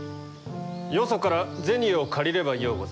よそから銭を借りればようござる。